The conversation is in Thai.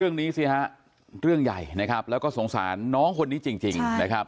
สิฮะเรื่องใหญ่นะครับแล้วก็สงสารน้องคนนี้จริงนะครับ